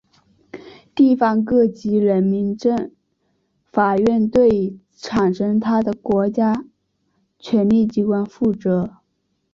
地方各级人民法院对产生它的国家权力机关负责。